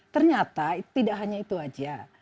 ternyata tidak hanya itu saja